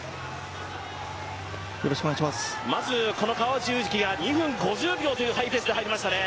まず、この川内優輝が２分５０秒というハイペースで入りましたね。